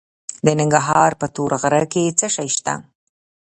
د ننګرهار په تور غره کې څه شی شته؟